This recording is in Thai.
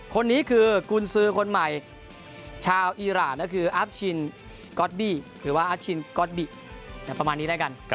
คนนี้คือกุนซืคนใหม่ชาวอีรานก็คืออัพชินก็อตบี้ประมาณนี้ได้กัน